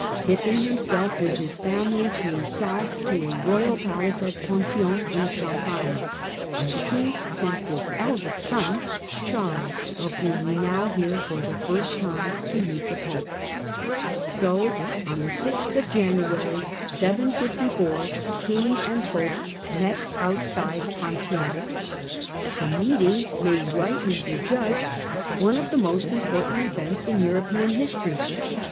Pippin himself with his family came south to a royal dace at Ponthion, in Champagne, and the king sent is eldest son Charles, of whom we now hear for the .*st time, to meet the Pope. So on the 6th of muary, 754, king and Pope met outside Ponthion. 128 THE DAWN OF MEDIAEVAL EUROPE The meeting may rightly be judged one of the most important events in European history.